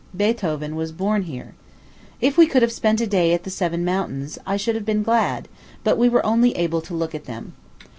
Beethoven was born here. If we could have spent a day at the Seven Mountains, I should have been glad; but we were only able to look at them.